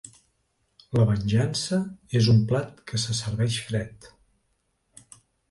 La venjança és un plat que se serveix fred-